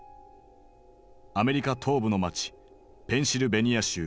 アメリカ東部の街ペンシルベニア州